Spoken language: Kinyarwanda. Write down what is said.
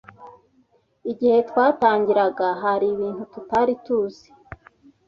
Igihe twatangiraga, hari ibintu tutari tuzi.